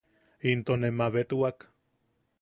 Into ne mabetwak.